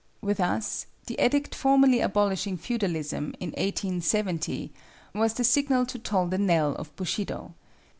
With us, the edict formally abolishing Feudalism in 1870 was the signal to toll the knell of Bushido.